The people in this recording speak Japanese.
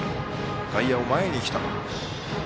外野も前に来た。